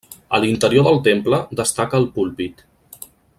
A l'interior del temple destaca el púlpit.